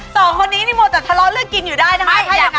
สองคนนี้มัวจะทะเลาเรื่องกินอยู่ได้นะคะ